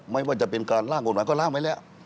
ไม่ว่าจะเป็นการล่างกฎหมายก็ล่างไว้แล้ว